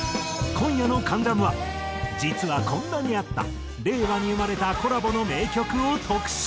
今夜の『関ジャム』は実はこんなにあった令和に生まれたコラボの名曲を特集。